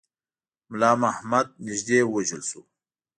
مُلا محمد نیژدې ووژل شو.